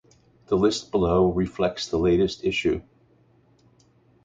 The list below reflects the latest issue.